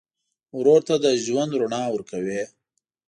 ورور ته د ژوند رڼا ورکوې.